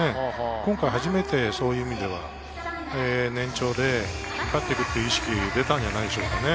今回初めてそういう意味で年長で引っ張っていくという意識が出たんじゃないでしょうかね。